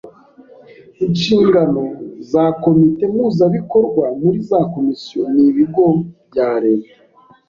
Inshingano za komite mpuzabikorwa muri za Komisiyo n’ibigo bya leta